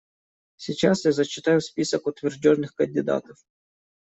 Сейчас я зачитаю список утвержденных кандидатов.